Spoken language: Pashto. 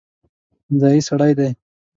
ځايي سړی دی.